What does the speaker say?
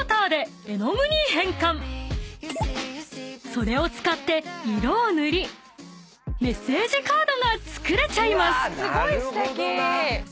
［それを使って色を塗りメッセージカードが作れちゃいます］